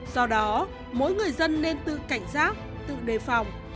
do đó mỗi người dân nên tự cảnh giác tự đề phòng